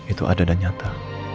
itu ada dan nyata